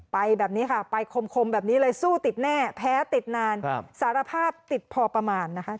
ไปแบบนี้ค่ะไปคมแบบนี้เลยสู้ติดแน่แพ้ติดนานสารภาพติดพอประมาณนะคะ